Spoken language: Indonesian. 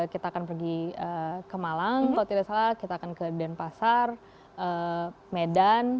kita akan pergi ke malang kalau tidak salah kita akan ke denpasar medan